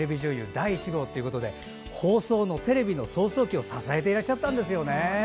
第１号ということで放送のテレビの創成期を支えていらっしゃったんですよね。